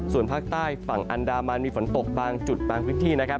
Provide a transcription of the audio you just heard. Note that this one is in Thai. ส่วนภาคใต้ฝั่งอันดามันมีฝนตกบางจุดบางพื้นที่นะครับ